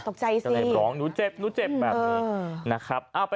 ตกใจสิน้องหนูเจ็บหนูเจ็บแบบนี้นะครับเอาไป